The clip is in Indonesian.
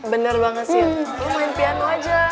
bener banget sya lo main piano aja